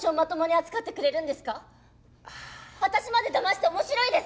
私までだまして面白いですか？